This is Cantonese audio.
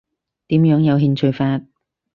點樣有興趣法？